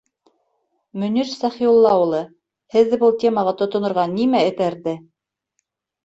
Мөнир Сәхиулла улы, һеҙҙе был темаға тотонорға нимә этәрҙе?